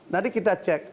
nanti kita cek